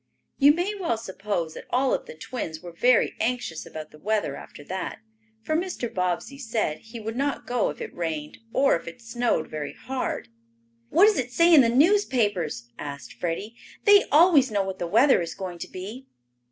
You may well suppose that all of the twins were very anxious about the weather after that, for Mr. Bobbsey said he would not go if it rained or if it snowed very hard. "What does it say in the newspapers?" asked Freddie. "They always know what the weather is going to be."